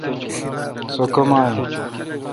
سوکما این۔